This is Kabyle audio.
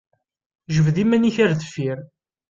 Jbed iman-ik ar deffir!